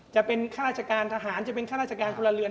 จะเป็นข้าราชการทหารจะเป็นข้าราชการพลเรือน